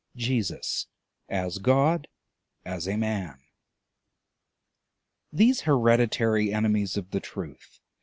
JESUS: AS GOD; AS A MAN (1866.) "These hereditary enemies of the Truth...